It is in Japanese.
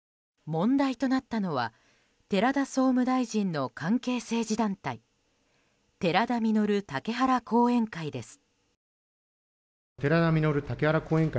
問題となったのは寺田総務大臣の関係政治団体寺田稔竹原後援会です。